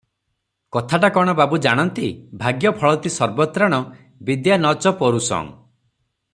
କଥାଟା କଣ ବାବୁ ଜଣନ୍ତି, "ଭାଗ୍ୟଫଳତି ସର୍ବତ୍ରାଣ ବିଦ୍ୟା ନ ଚ ପୌରୁଷଂ ।